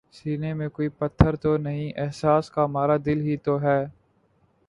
سینے میں کوئی پتھر تو نہیں احساس کا مارا، دل ہی تو ہے